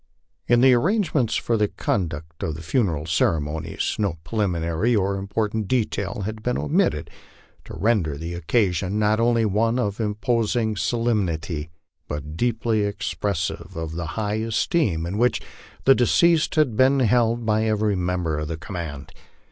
In the arrangements for the conduct of the funeral ceremonies, no pre liminary or important detail had been omitted to render the occasion not only one of imposing solemnity, but deeply expressive of the high esteem in which the deceased had been held by every member of the Command.